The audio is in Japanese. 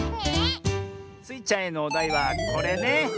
スイちゃんへのおだいはこれね。